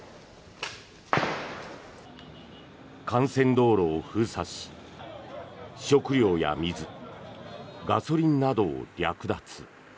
幹線道路を封鎖し食料や水、ガソリンなどを略奪。